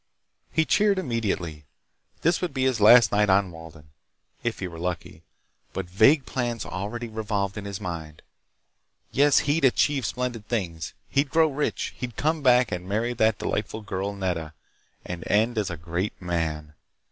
He cheered immediately. This would be his last night on Walden, if he were lucky, but vague plans already revolved in his mind. Yes.... He'd achieve splendid things, he'd grow rich, he'd come back and marry that delightful girl, Nedda, and end as a great man.